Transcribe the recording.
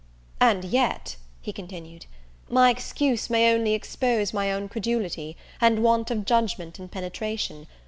"And yet," he continued, "my excuse may only expose my own credulity, and want of judgment and penetration.